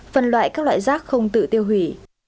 phân loại các loại rác không tự tiêu hủy